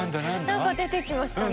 何か出てきましたね。